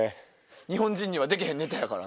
日本人にはでけへんネタやから。